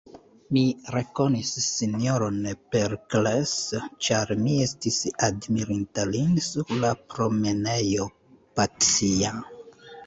Mi rekonis S-ron Perikles, ĉar mi estis admirinta lin sur la promenejo Patisja.